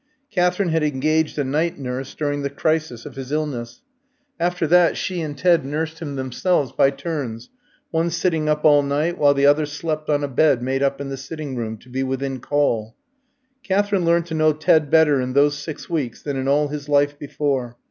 Katherine had engaged a night nurse during the crisis of his illness; after that, she and Ted nursed him themselves by turns one sitting up all night, while the other slept on a bed made up in the sitting room, to be within call. Katherine learned to know Ted better in those six weeks than in all his life before.